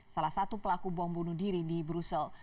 salah satu pelaku bom bunuh diri di brussel